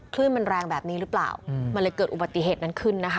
คลื่นมันแรงแบบนี้หรือเปล่ามันเลยเกิดอุบัติเหตุนั้นขึ้นนะคะ